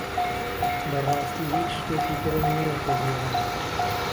بەڕاستی هیچ شتێکی ترم نییە کە بیڵێم.